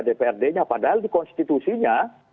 dprd nya padahal dikonstitusinya